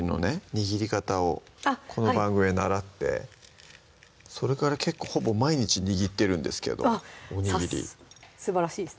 握り方をこの番組で習ってそれから結構ほぼ毎日握ってるんですけどおにぎりすばらしいです